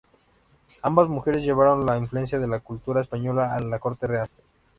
Ambas mujeres llevaron la influencia de la cultura española a la corte real.